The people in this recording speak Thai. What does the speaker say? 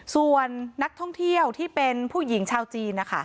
ส่วนนักท่องเที่ยวที่เป็นผู้หญิงชาวจีนนะคะ